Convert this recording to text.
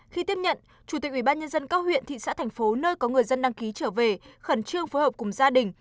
khi tiếp nhận chủ tịch ubnd các huyện thị xã thành phố nơi có người dân đăng ký trở về khẩn trương phối hợp cùng gia đình